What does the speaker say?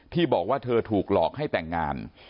ที่บอกว่าเธอถูกหลอกให้แต่งงาน